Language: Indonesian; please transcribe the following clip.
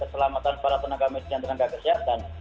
dan keselamatan para tenaga medis dan tenaga kesehatan